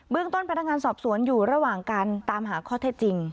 เบื้องต้นพันธการสอบสวนอยู่ระหว่างการตามหาข้อเท่าจริง